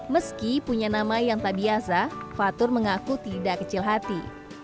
meski punya nama yang tak biasa fatur mengaku tidak kecil hati